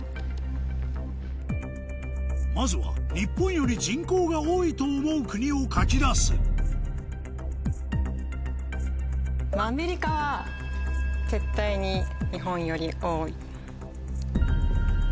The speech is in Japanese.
まずは日本より人口が多いと思う国を書き出すアメリカは絶対に日本より多い。